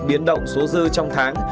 biến động số dư trong tháng